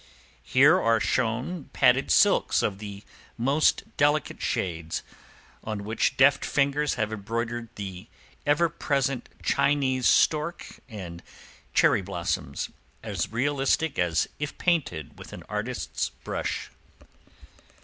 Here are shown padded silks of the most delicate shades, on which deft fingers have embroidered the ever present Chinese stork and cherry blossoms, as realistic as if painted with an artist's brush.